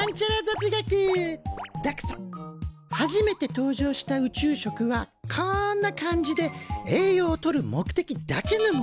初めて登場した宇宙食はこんな感じで栄養を取る目的だけのものだったんだ。